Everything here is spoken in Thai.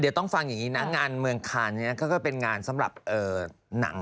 เดี๋ยวต้องฟังอย่างนี้นะงานเมืองคานก็เป็นงานสำหรับหนัง